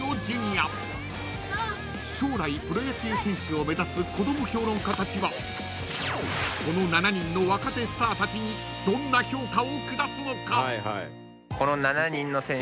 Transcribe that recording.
［将来プロ野球選手を目指す子ども評論家たちはこの７人の若手スターたちにどんな評価を下すのか？］